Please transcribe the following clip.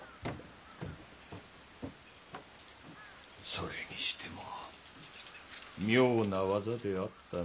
それにしても妙な技であったなあ。